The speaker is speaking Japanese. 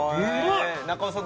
中尾さん